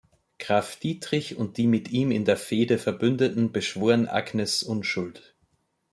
Graf Dietrich und die mit ihm in der Fehde Verbündeten beschworen Agnes' Unschuld.